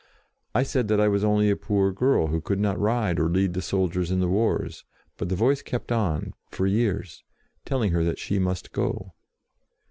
I said that I was only a poor girl, who could not ride or lead the soldiers in the wars," but the Voice kept on for years, telling her that she must go.